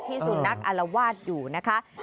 ที่สุนัขอละวาดอยู่นะคะ